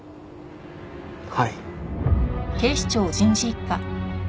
はい。